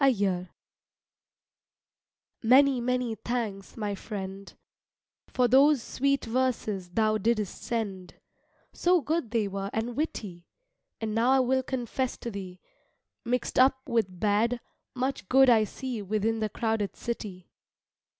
Many, many thanks my friend, For those sweet verses thou didst send, So good they were and witty; And now I will confess to thee, Mixed up with bad, much good I see Within the crowded city.